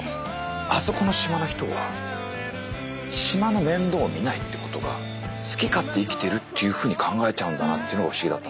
あそこの島の人は島の面倒を見ないってことが好き勝手生きてるっていうふうに考えちゃうんだなっていうのが不思議だった。